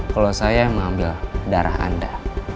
kalau saya mengambil darah anda